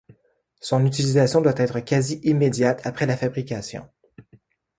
Son utilisation doit être quasi immédiate après la fabrication.